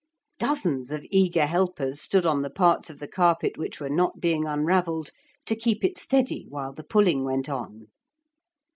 Dozens of eager helpers stood on the parts of the carpet which were not being unravelled, to keep it steady while the pulling went on.